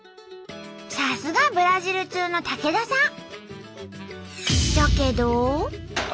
さすがブラジル通の武田さん。